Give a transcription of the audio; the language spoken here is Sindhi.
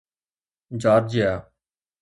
جارجيا